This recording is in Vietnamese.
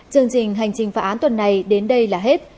chương trình hành trình phá án tuần này đến đây là hết